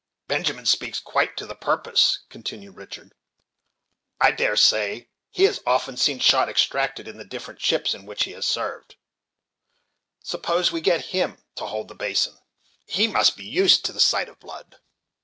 Benjamin speaks quite to the purpose,' continued Richard, "I dare say that he has often seen shot extracted in the different ships in which he has served; suppose we get him to hold the basin; he must be used to the sight of blood."